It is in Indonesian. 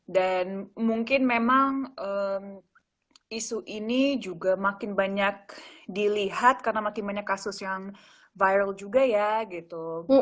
dan mungkin memang isu ini juga makin banyak dilihat karena makin banyak kasus yang viral juga ya gitu